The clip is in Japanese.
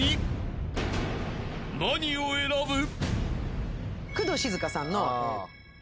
［何を選ぶ？］